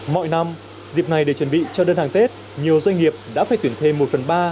mọi năm dịp này để chuẩn bị cho đơn hàng tết nhiều doanh nghiệp đã phải tuyển thêm một phần ba